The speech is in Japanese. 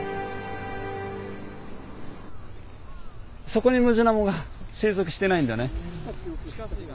そこにムジナモが生息してないんだね。